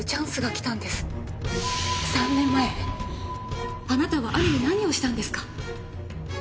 ３年前あなたは兄に何をしたんですか？